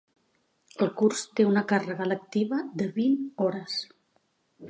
El curs té una càrrega lectiva de vint hores.